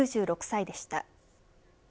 ９６歳でした。